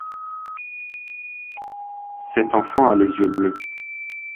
Cet enfant a les yeux bleus.